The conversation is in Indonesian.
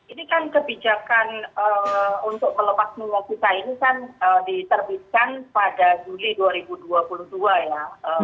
ini kan kebijakan untuk melepas minyak kita ini kan diterbitkan pada juli dua ribu dua puluh dua ya